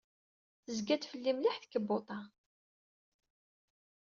Tezga-d fell-i mliḥ tkebbuḍt-a.